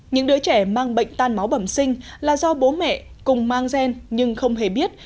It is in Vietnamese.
những đứa trẻ mang bệnh tan máu bẩm sinh là do bố mẹ cùng mang gen nhưng không hề biết